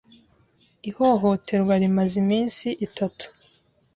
Ihohoterwa rimaze iminsi itatu.